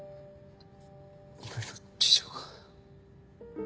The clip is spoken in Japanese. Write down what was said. いろいろ事情が。